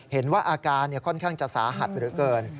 เห็นว่าอาการค่อนข้างจะสาหัสเหลือเกิน